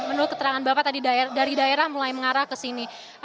menurut keterangan bapak tadi dari daerah mulai mengarah ke sini